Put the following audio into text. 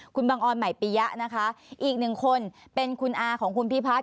คุณบังออนใหม่ปียะนะคะอีกหนึ่งคนเป็นคุณอาของคุณพิพัฒน